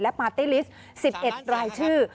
ปาร์ตี้ลิสต์๑๑รายชื่อ